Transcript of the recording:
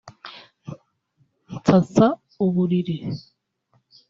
nsasa uburiri